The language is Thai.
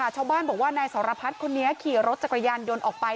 ชาวบ้านบอกว่านายสรพัฒน์คนนี้ขี่รถจักรยานยนต์ออกไป